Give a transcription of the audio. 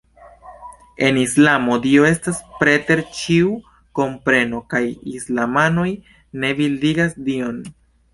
En Islamo, Dio estas preter ĉiu kompreno kaj islamanoj ne bildigas Dion.